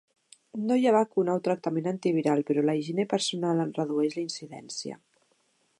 No hi ha vacuna o tractament antiviral però la higiene personal en redueix la incidència.